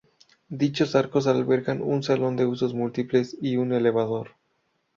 Dichos arcos albergan un salón de usos múltiples y un elevador.